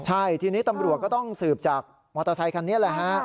ใช่ทีนี้ตำรวจก็ต้องสืบจากมอเตอร์ไซคันนี้แหละฮะ